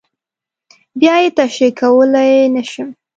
بیا یې تشریح کولی نه شم.